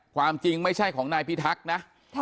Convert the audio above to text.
ความจริงไม่ใช่ของนายพิทักษ์นะ